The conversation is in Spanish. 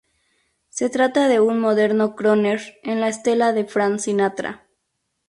Se trata de un moderno "crooner", en la estela de Frank Sinatra.